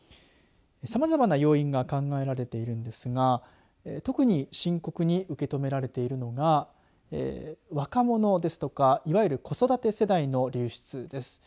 さまざまな要因が考えられているんですが特に深刻に受け止められているのが若者ですとか、いわゆる子育て世代の流出です。